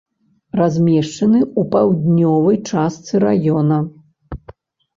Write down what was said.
Размешчаны ў паўднёвай частцы раёна.